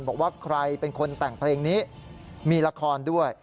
บอกว่าใครเป็นคนแต่งเพลงนี้มีละครด้วย